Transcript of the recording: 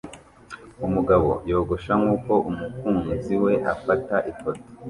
Umugabo yogosha nkuko umukunzi we afata ifoto